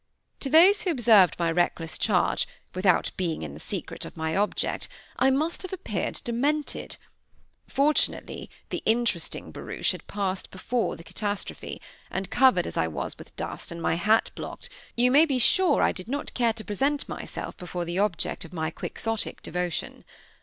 To those who observed my reckless charge, without being in the secret of my object, I must have appeared demented. Fortunately, the interesting barouche had passed before the catastrophe, and covered as I was with dust, and my hat blocked, you may be sure I did not care to present myself before the object of my Quixotic devotion.